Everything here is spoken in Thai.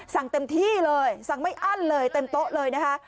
เต็มที่เลยสั่งไม่อั้นเลยเต็มโต๊ะเลยนะคะ